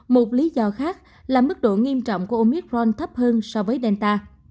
một lý do khác là mức độ nghiêm trọng của omicron thấp hơn so với delta